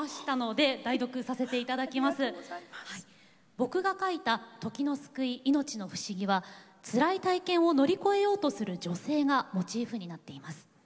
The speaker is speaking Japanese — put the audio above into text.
「僕が書いた『時の救い命の不思議』はつらい体験を乗り越えようとする女性がモチーフになっています。